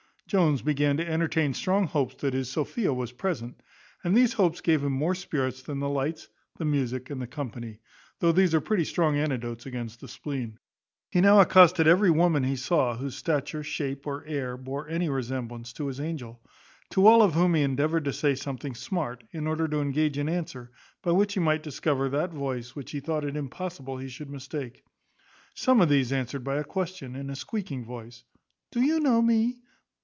Jones began to entertain strong hopes that his Sophia was present; and these hopes gave him more spirits than the lights, the music, and the company; though these are pretty strong antidotes against the spleen. He now accosted every woman he saw, whose stature, shape, or air, bore any resemblance to his angel. To all of whom he endeavoured to say something smart, in order to engage an answer, by which he might discover that voice which he thought it impossible he should mistake. Some of these answered by a question, in a squeaking voice, Do you know me?